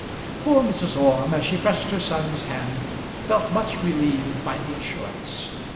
Poor Mrs. Orme as she pressed her son's hand felt much relieved by the assurance.